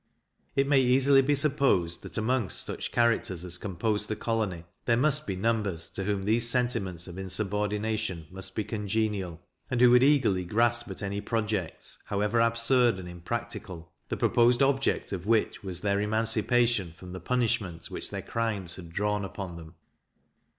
It may easily be supposed, that amongst such characters as composed the colony, there must be numbers to whom these sentiments of insubordination must be congenial, and who would eagerly grasp at any projects, however absurd and impracticable, the proposed object of which was their emancipation from the punishment which their crimes had drawn upon them.